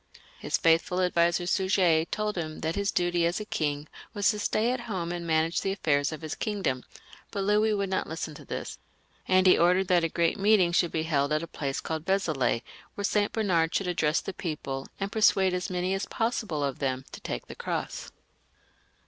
His faithful adviser Suger told him that his duty as a king was to stay at home and manage the affairs of his kingdom, but Louis would not listen to this ; and he ordered that a great meeting should be held at a place called Vezelay, where St. Bernard should address the people, and persuade as many as pos sible of them to take the cross.